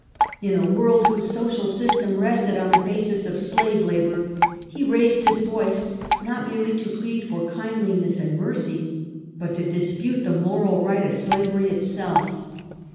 In a world whose social system rested on a basis of slave labour, he raised his voice not merely to plead for kindliness and mercy, but to dispute the moral right of slavery itself.